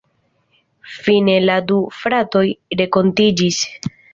Fine la du fratoj renkontiĝis.